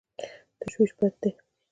تشویش بد دی.